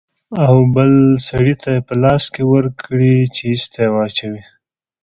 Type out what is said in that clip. او بل سړي ته يې په لاس کښې ورکړې چې ايسته يې واچوي.